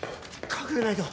隠れないと。